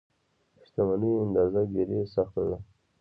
شتمنيو اندازه ګیري سخته ده.